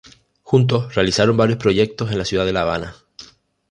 Juntos realizaron varios proyectos en la ciudad de La Habana.